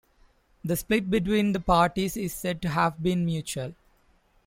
The split between the parties is said to have been mutual.